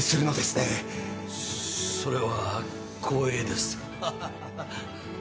それは光栄です。ハハハ。